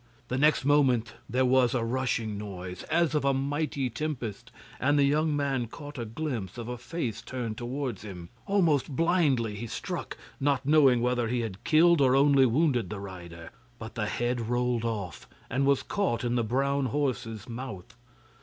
The next moment there was a rushing noise as of a mighty tempest, and the young man caught a glimpse of a face turned towards him. Almost blindly he struck, not knowing whether he had killed or only wounded the rider. But the head rolled off, and was caught in the brown horse's mouth.